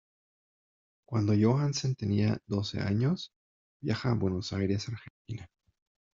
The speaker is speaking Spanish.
Cuando Johansen tenía doce años, viaja a Buenos Aires, Argentina.